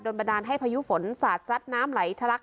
บันดาลให้พายุฝนสาดซัดน้ำไหลทะลัก